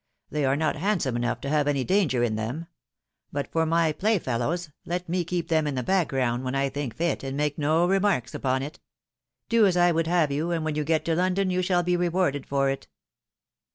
They are not handsome enough to have any danger in them. But for my playfellows, let me keep them in the background when I think fit, and make no remarks upon it. Do as I would have you, and when you get to London you shall be rewarded for it."